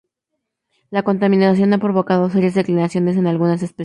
La contaminación ha provocado serias declinaciones en algunas especies.